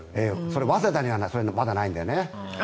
早稲田にはそれがまだないんだよね。